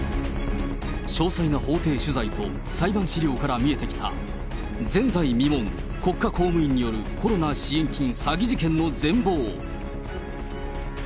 詳細な法廷取材と裁判資料から見えてきた、前代未聞、国家公務員によるコロナ支援金詐欺事件の全貌。